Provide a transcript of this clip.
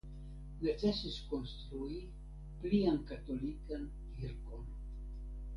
Necesis konstrui plian katolikan kirkon.